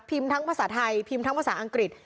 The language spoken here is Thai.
ทั้งภาษาไทยพิมพ์ทั้งภาษาอังกฤษ